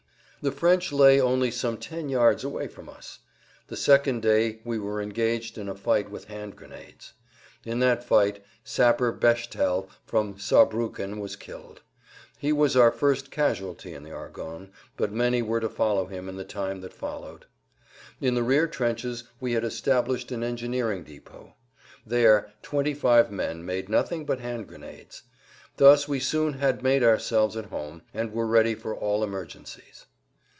The French lay only some ten yards away from us. The second day we were engaged in a fight with hand grenades. In that fight Sapper Beschtel from Saarbrucken was killed. He was our first casualty in the Argonnes, but many were to follow him in the time that followed. In the rear trenches we had established an engineering depot. There 25 men made nothing but hand grenades. Thus we soon had made ourselves at home, and were ready for all emergencies.